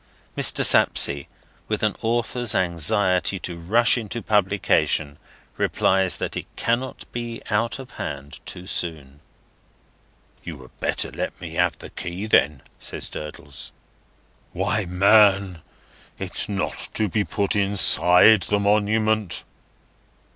Mr. Sapsea, with an Author's anxiety to rush into publication, replies that it cannot be out of hand too soon. "You had better let me have the key then," says Durdles. "Why, man, it is not to be put inside the monument!"